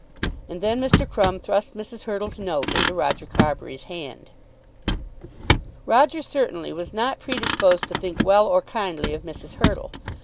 And then Mr. Crumb thrust Mrs. Hurtle's note into Roger Carbury's hand. Roger certainly was not predisposed to think well or kindly of Mrs. Hurtle.